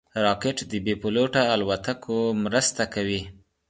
راکټ د بېپيلوټه الوتکو مرسته کوي